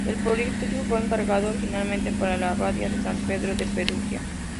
El políptico fue encargado originariamente para la abadía de San Pedro de Perugia.